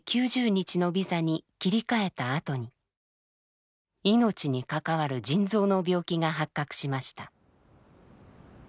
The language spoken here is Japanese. ９０日のビザに切り替えたあとに命に関わる腎臓の病気が発覚しました。